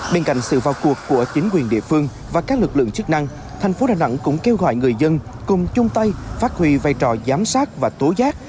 bên cạnh sự vào cuộc của chính quyền địa phương và các lực lượng chức năng thành phố đà nẵng cũng kêu gọi người dân cùng chung tay phát huy vai trò giám sát và tố giác